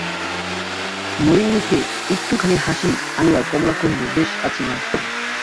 মলিন মুখে একটুখানি হাসি আনিয়া কমলা কহিল, বেশ আছি মা!